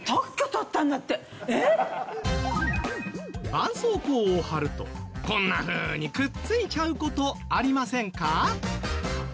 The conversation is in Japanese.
絆創膏を貼るとこんなふうにくっついちゃう事ありませんか？